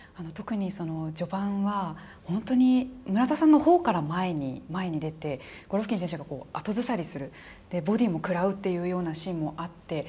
特に序盤は本当に村田さんのほうから前に前に出てゴロフキン選手が後ずさりするボディーも食らうっていうようなシーンもあって。